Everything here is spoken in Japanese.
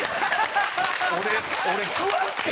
俺食わんって！